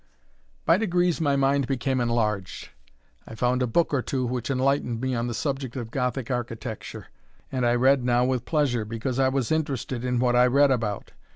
By degrees my mind became enlarged; I found a book or two which enlightened me on the subject of Gothic architecture, and I read now with pleasure, because I was interested in what I read about.